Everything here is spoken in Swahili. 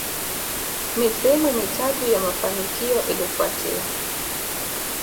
Misimu mitatu ya mafanikio ilifuatia